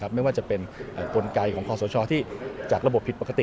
ไม่ว่าจะเป็นกลไกของคอสชที่จากระบบผิดปกติ